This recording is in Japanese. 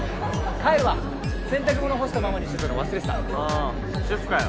帰るわ洗濯物干したままにしてたの忘れてたあ主婦かよ